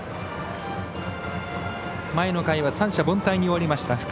前の回は三者凡退に終わりました。